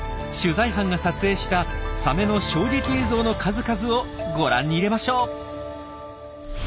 取材班が撮影したサメの衝撃映像の数々をご覧に入れましょう。